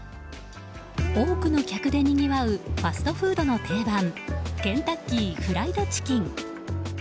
多くの客でにぎわうファストフードの定番ケンタッキーフライドチキン。